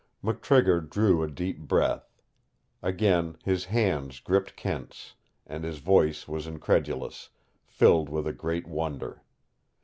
McTrigger drew a deep breath. Again his hands gripped Kent's, and his voice was incredulous, filled with a great wonder.